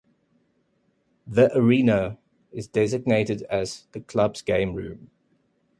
"The Arena" is designated as the club's game room.